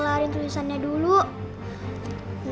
hari ini kita nggak mau main